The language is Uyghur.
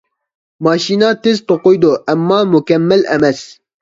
ماشىنا تېز توقۇيدۇ، ئەمما مۇكەممەل ئەمەس.